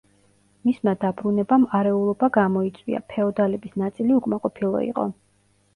მისმა დაბრუნებამ არეულობა გამოიწვია, ფეოდალების ნაწილი უკმაყოფილო იყო.